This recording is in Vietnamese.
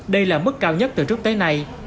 đây là mức cao nhất từ trước tới nay